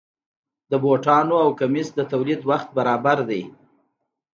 د بوټانو او کمیس د تولید وخت برابر دی.